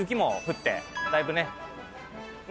だいぶね。